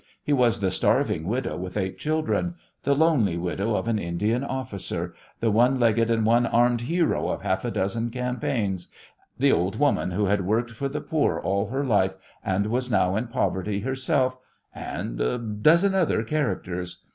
He was the starving widow with eight children; the lonely widow of an Indian officer; the one legged and one armed hero of half a dozen campaigns; the old woman who had worked for the poor all her life, and was now in poverty herself; and a dozen other characters.